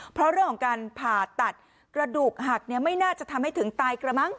เพราะเรื่องของการผ่าตัดกระดูกหักไม่น่าจะทำให้ถึงตายกระมั้ง